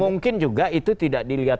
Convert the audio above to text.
mungkin juga itu tidak dilihat